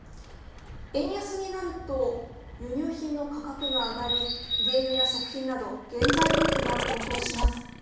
円安になると輸入品の価格が上がり原油や食品など原材料費が高騰します。